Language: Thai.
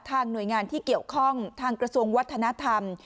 หน่วยงานที่เกี่ยวข้องทางกระทรวงวัฒนธรรม